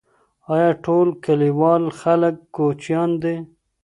آیا ټول کلیوال خلګ کوچیان دي؟